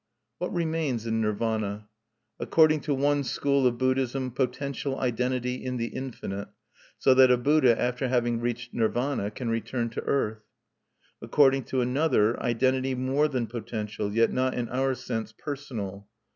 What remains in Nirvana? According to one school of Buddhism potential identity in the infinite, so that a Buddha, after having reached Nirvana, can return to earth. According to another, identity more than potential, yet not in our sense "personal."